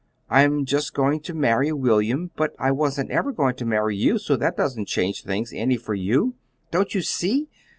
I'm just going to marry William, but I wasn't ever going to marry you, so that doesn't change things any for you. Don't you see?